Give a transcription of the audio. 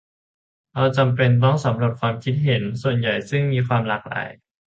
เราจำเป็นต้องสำรวจความคิดเห็นส่วนใหญ่ซึ่งมีความหลากหลาย